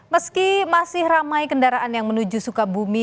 meski masih ramai kendaraan yang menuju sukabumi